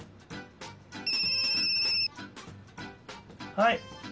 はい。